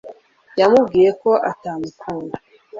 yamubwiye ko atamukunda